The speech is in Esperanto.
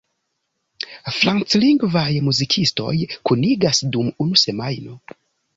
Franclingvaj muzikistoj kunigas dum unu semajno.